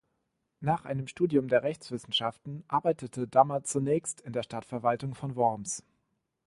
Nach einem Studium der Rechtswissenschaften arbeitete Dammer zunächst in der Stadtverwaltung von Worms.